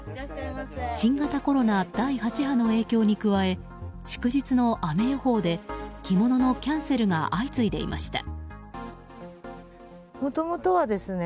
新型コロナ第８波の影響に加え祝日の雨予報で着物のキャンセルが相次いでいました。